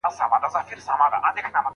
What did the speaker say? آیا زده کړه تر لوبې ډېر تمرکز غواړي؟